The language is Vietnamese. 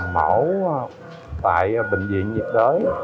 mẫu tại bệnh viện nhiệt đới